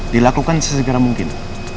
dilakukan sesegera mungkin